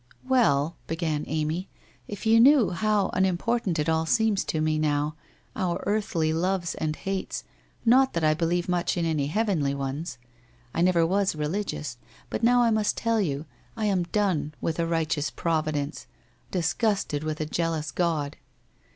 ' Well !' began Amy, ' if you knew how unimportant it all seems to me, now, our earthly loves and hates, not that I believe much in any heavenly ones! I never was religious, but now I must tell you, I am done with a right eous Providence — disgusted with a Jealous God